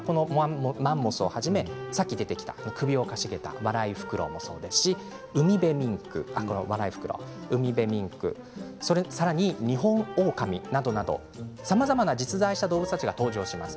マンモスをはじめさっき出てきた首をかしげたワライフクロウですとかウミベミンク、ニホンオオカミなどさまざま実在した動物たちが登場します。